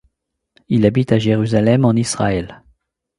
Il habite à Jérusalem en Israël.